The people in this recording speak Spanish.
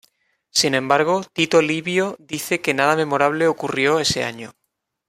Sin embargo, Tito Livio dice que nada memorable ocurrió ese año.